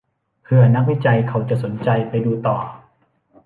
เผื่อนักวิจัยเขาจะสนใจไปดูต่อ